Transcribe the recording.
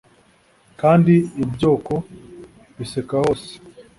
Kandi ibyoko biseka hose